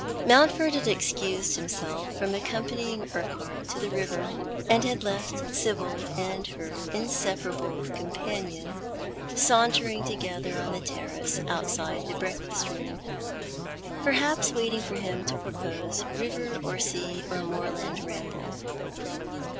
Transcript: Mountford had excused himself from accompanying Urquhart to the river, and had left Sibyl and her inseparable companion 94 Thou art the Man. sauntering together on the terrace outside tlie breakfast room, perhaps waiting for him to propose river, or sea, or moorland ramble.